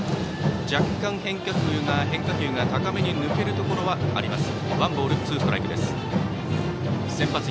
若干、変化球が高めに抜けるところがあります。